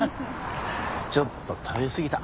ちょっと食べすぎた。